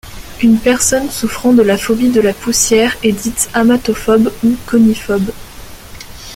Une personne souffrant de la phobie de la poussière est dite amatophobe ou koniphobe.